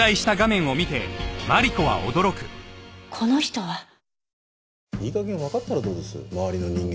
この人は。